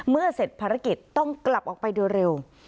เมื่อเสร็จภารกิจต้องกลับออกไปเร็ว